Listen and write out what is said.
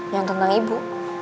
yang tentang ibu